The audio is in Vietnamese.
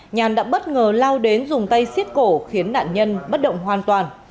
nhàn đã bất ngờ lao đến dùng tay xiết cổ khiến nạn nhân bất động hoàn toàn